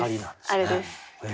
あれです。